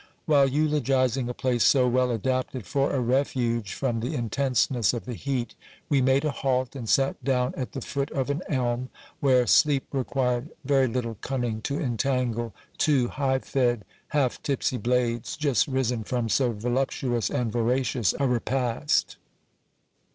While eulogizing a place so well adapted for a refuge from the intenseness of the heat, we made a halt, and sat down at the foot of an elm, where sleep required very little cunning to entangle two high fed, half tipsy blades, just risen from so voluptuous and voracious a repast.